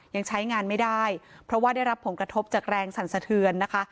ยังใช้งานไม่ได้เพราะว่าได้รับผลกระทบจากแรงสั่นสะเทือนนะคะ